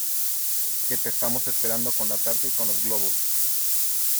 que te estamos esperando con la tarta y con los globos.